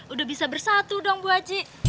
udah bisa bersatu dong bu aji